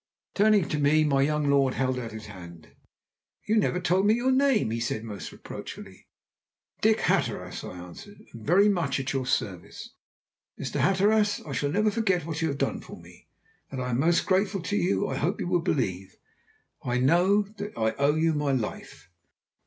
Turning to me, my young lord held out his hand. "You have never told me your name," he said almost reproachfully. "Dick Hatteras," I answered, "and very much at your service." "Mr. Hatteras, I shall never forget what you have done for me. That I am most grateful to you I hope you will believe. I know that I owe you my life."